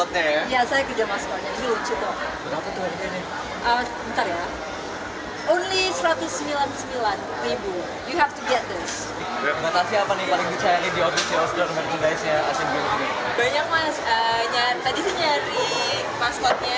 tadi saya nyari maskotnya bodega bodega maskot